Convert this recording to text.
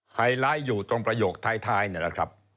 ไฮไลท์อยู่ตรงประโยคท้ายนี่แหละครับ